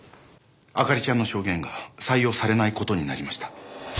明里ちゃんの証言が採用されない事になりました。